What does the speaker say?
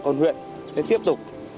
công an huyện sẽ tiếp tục